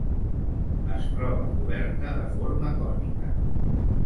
Es troba coberta de forma cònica.